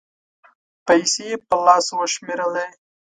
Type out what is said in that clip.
پېسې یې په لاس و شمېرلې